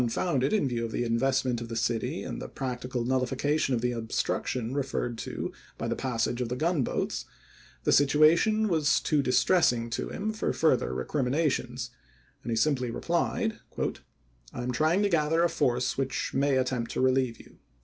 founded in view of the investment of the city and the practical nullification of the obstruction re ferred to by the passage of the gunboats, the situa tion was too distressing to him for further recrim John8tonto inations, and he simply replied, " I am trying to MayiSl' gather a force which may attempt to relieve you.